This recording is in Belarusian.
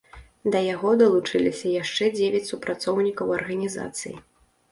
Да яго далучыліся яшчэ дзевяць супрацоўнікаў арганізацыі.